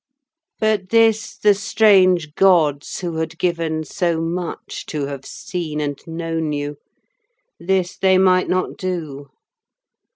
But this the strange gods, who had given so much, To have seen and known you, this they might not do.